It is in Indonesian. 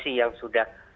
profesi yang sudah